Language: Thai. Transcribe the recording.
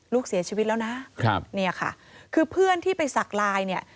ลูกเสียชีวิตแล้วนะครับเนี่ยค่ะคือเพื่อนที่ไปสักลายเนี่ย